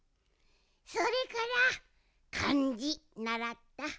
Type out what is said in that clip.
それからかんじならった。